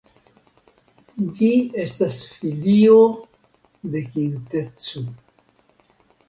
Ĝi estas filio de Kintetsu.